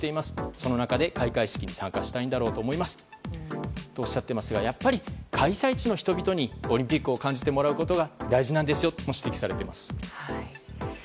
その中で開会式に参加したいんだろうと思いますとおっしゃっていますがやっぱり開催地の人々にオリンピックを感じてもらうことが大事なんですと指摘されています。